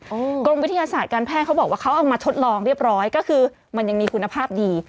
กรมวิทยาศาสตร์การแพทย์เขาบอกว่าเขาเอามาทดลองเรียบร้อยก็คือมันยังมีคุณภาพดี